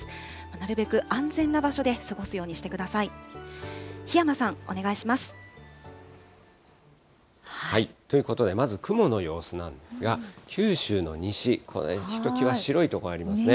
なるべく安全な場所で過ごすようにしてください。ということで、まず雲の様子なんですが、九州の西、ここね、ひときわ白い所ありますね。